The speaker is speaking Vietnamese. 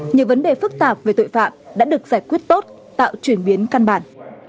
nhiều vấn đề phức tạp về tội phạm đã được giải quyết tốt tạo chuyển biến căn bản